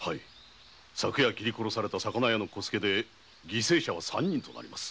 昨夜斬り殺された魚屋の小助で犠牲者は三人となります。